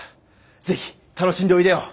ぜひ楽しんでおいでよ。